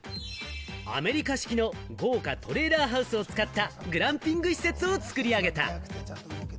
アメリカ式の豪華トレーラーハウスを使ったグランピング施設を作り上げた。